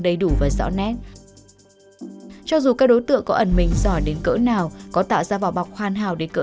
đầy đủ và rõ nét cho dù các đối tượng có ẩn mình giỏi đến cỡ nào có tạo ra vỏ bọc hoàn hảo để cỡ